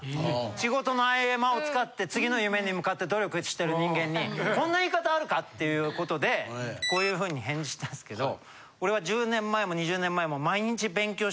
仕事の合間を使って次の夢に向かって努力してる人間にこんな言い方あるか？っていうことでこういう風に返事したんですけど。